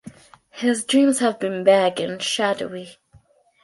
His dreams have been vague and shadowy.